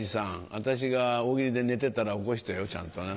私が大喜利で寝てたら起こしてよちゃんとな。